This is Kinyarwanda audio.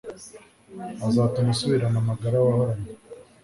azatuma usubirana amagara wahoranye